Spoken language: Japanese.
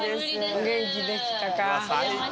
お元気でしたか。